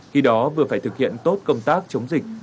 khi đó vừa phải thực hiện tốt công tác chống dịch